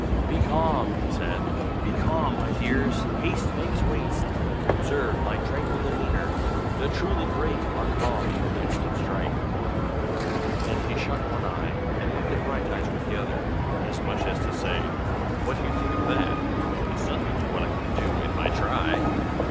"Be calm!" he said. "Be calm, my dears! haste makes waste. Observe my tranquil demeanor! the truly great are calm in the midst of strife." And he shut one eye, and looked at Brighteyes with the other, as much as to say "What do you think of that? it's nothing to what I can do if I try!"